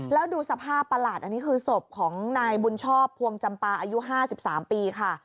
แล้วดูสภาพประหลาดอันนี้คือศพของนายบุญชอบภวงจำปาอายุ๕๓ปีค่ะ